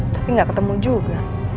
tapi gak ketemu juga